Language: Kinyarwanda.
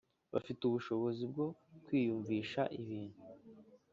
bafite ubushobozi bwo kwiyumvisha ibintu.